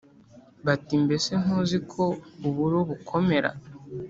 bati: “mbese ntuzi ko uburo bukomera?”